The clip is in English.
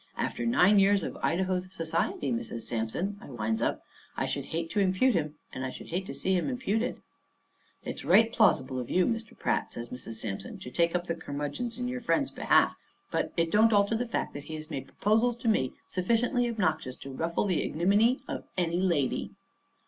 After nine years of Idaho's society, Mrs. Sampson," I winds up, "I should hate to impute him, and I should hate to see him imputed." "It's right plausible of you, Mr. Pratt," says Mrs. Sampson, "to take up the curmudgeons in your friend's behalf; but it don't alter the fact that he has made proposals to me sufficiently obnoxious to ruffle the ignominy of any lady."